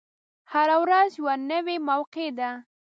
هره ورځ یوه نوی موقع ده.